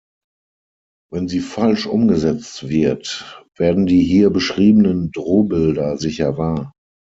Wenn sie falsch umgesetzt wird, werden die hier beschriebenen Drohbilder sicher wahr.